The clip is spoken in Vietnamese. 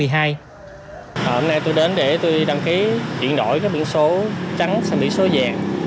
hôm nay tôi đến để tôi đăng ký chuyển đổi biển số trắng sang biển số vàng